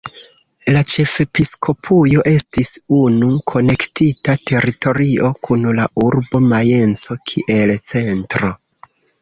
La "ĉefepiskopujo" estis unu konektita teritorio kun la urbo Majenco kiel centro.